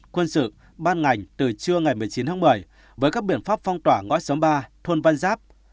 quân sự ban ngành từ trưa ngày một mươi chín tháng một mươi với các biện pháp phong tỏa ngõ xóm ba thôn văn giáp